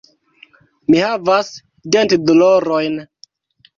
Mi havas dentdolorojn.